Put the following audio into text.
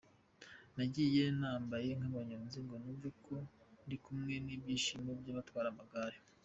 Nagiye nambaye nk’abanyonzi ngo numve ko ndi kumwe n’ibyishimo by’abatwara amagare.